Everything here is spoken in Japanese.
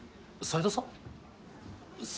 斎藤さん。